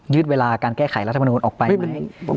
เวลาการแก้ไขรัฐมนุนออกไปไหม